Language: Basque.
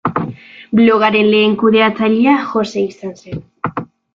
Blogaren lehen kudeatzailea Jose izan zen.